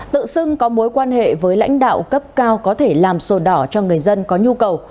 tự xưng có mối quan hệ với lãnh đạo cấp cao có thể làm sổ đỏ cho người dân có nhu cầu